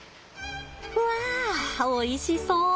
わあおいしそう！